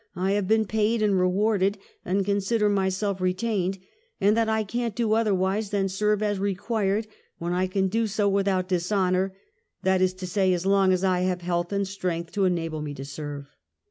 I have been paid and rewarded, and consider myself retained; and that I can't do otherwise than serve as required, when I can do so without dishonour, that is to say, as long as I have health and strength to enable me to serve."